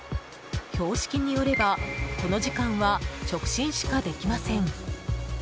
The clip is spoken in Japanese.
標識によれば、この時間は直進しかできません。